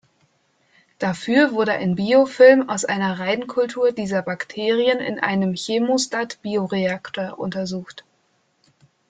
Dafür wurde ein Biofilm aus einer Reinkultur dieser Bakterien in einem Chemostat-Bioreaktor untersucht.